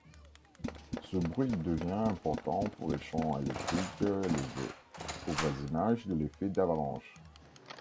Ce bruit devient important pour les champs électriques élevés, au voisinage de l’effet d’avalanche.